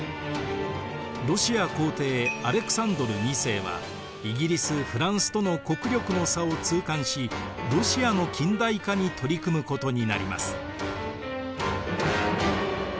ロシア皇帝アレクサンドル２世はイギリスフランスとの国力の差を痛感しロシアの近代化に取り組むことになります。